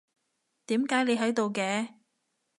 點解你喺度嘅？